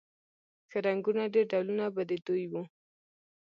ښه رنګونه ډېر ډولونه به د دوی و